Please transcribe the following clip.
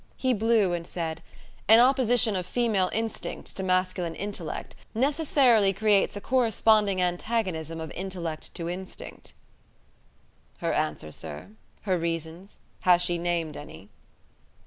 He blew and said: "An opposition of female instincts to masculine intellect necessarily creates a corresponding antagonism of intellect to instinct." "Her answer, sir? Her reasons? Has she named any?"